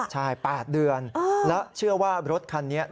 ใช่๘เดือนแล้วเชื่อว่ารถคันนี้